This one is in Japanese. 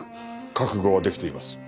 覚悟はできています。